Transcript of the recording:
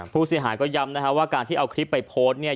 ผู้เสียหายก็ย้ำนะฮะว่าการที่เอาคลิปไปโพสต์เนี่ย